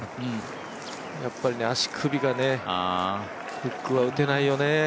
やっぱり足首が、フックは打てないよね。